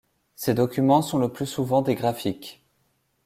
Ces documents sont le plus souvent des graphiques.